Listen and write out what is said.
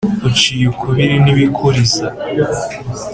Uciye ukubiri nibikuriza